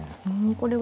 これは。